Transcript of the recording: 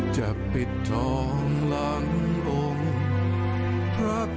จะปิดท้องหลังโอ้โหคุณผู้ชมนี่แหละครับ